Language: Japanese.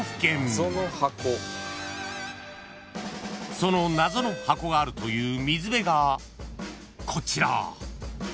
［その謎の箱があるという水辺がこちら］